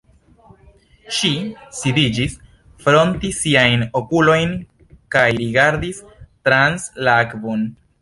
Ŝi sidiĝis, frotis siajn okulojn kaj rigardis trans la akvon.